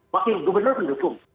wakil gubernur mendukung